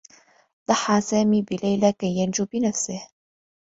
ضحّى سامي بليلى كي ينجو بنفسه.